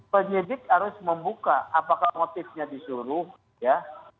penyidik harus membuka apakah motifnya disuruh ya